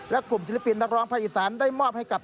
และกลุ่มศิลปินนักร้องภาคอีสานได้มอบให้กับ